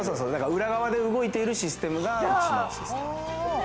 裏側で動いているシステムが、うちのシステムで。